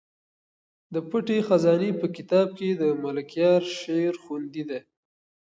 د پټې خزانې په کتاب کې د ملکیار شعر خوندي دی.